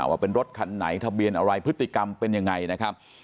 ว่าเป็นรถคันไหนทะเบียนอะไรพฤติกรรมเป็นยังไงนะครับ